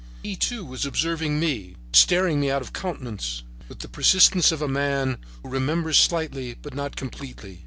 He, too, was observing me, staring me out of countenance, with the persistence of a man who remembers slightly but not completely.